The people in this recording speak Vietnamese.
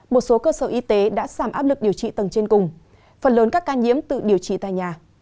một số cơ sở y tế đã giảm áp lực điều trị tầng trên cùng phần lớn các ca nhiễm tự điều trị tại nhà